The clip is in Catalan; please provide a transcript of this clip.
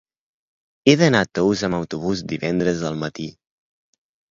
He d'anar a Tous amb autobús divendres al matí.